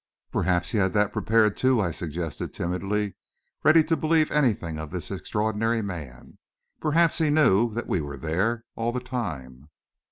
"Perhaps he had that prepared, too," I suggested timidly, ready to believe anything of this extraordinary man. "Perhaps he knew that we were there, all the time."